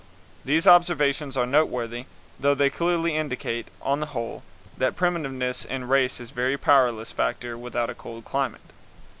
These observations are noteworthy, though they clearly indicate, on the whole, that primitiveness in race is a very powerless factor without a cold climate.